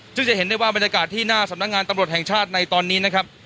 ซึ่งจะเห็นได้ว่าบรรยากาศที่หน้าสำนักงานตำรวจแห่งชาติในตอนนี้นะครับ